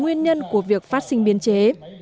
nguyên nhân của việc phát sinh biên chế